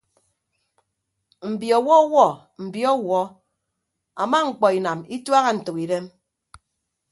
Mbi ọwọwuọ mbi ọwuọ ama mkpọ inam ituaha ntʌkidem.